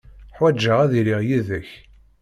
Ḥwajeɣ ad iliɣ yid-k.